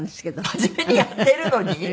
真面目にやってるのに？